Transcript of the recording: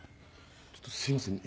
ちょっとすいませんね。